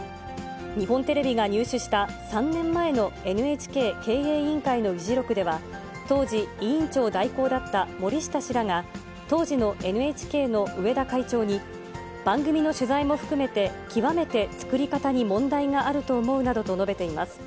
日本テレビが入手した、３年前のＮＨＫ経営委員会の議事録では、当時、委員長代行だった森下氏らが、当時のＮＨＫの上田会長に、番組の取材も含めて、極めて作り方に問題があると思うなどと述べています。